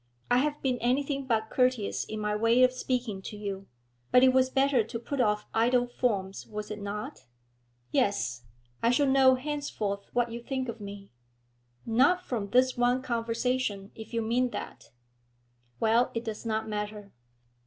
'I have been anything but courteous in my way of speaking to you, but it was better to put off idle forms, was it not?' 'Yes; I shall know henceforth what you think of me.' 'Not from this one conversation, if you mean that.' 'Well, it does not matter.'